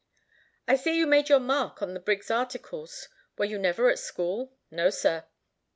"I see you made your 'mark' on the brig's articles. Were you never at school?" "No, sir."